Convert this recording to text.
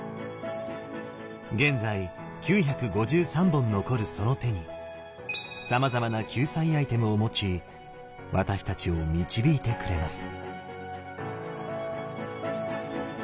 現在９５３本残るその手にさまざまな救済アイテムを持ち私たちを導いてくれます。